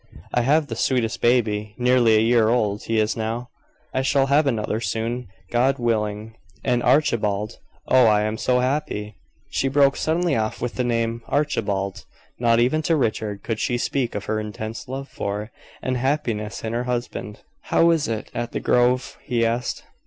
I have the sweetest baby nearly a year old he is now; I shall have another soon, God willing. And Archibald oh, I am so happy!" She broke suddenly off with the name "Archibald;" not even to Richard could she speak of her intense love for, and happiness in her husband. "How is it at the Grove?" he asked.